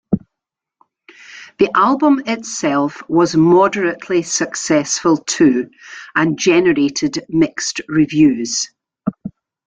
The album itself was moderately successful too and generated mixed reviews.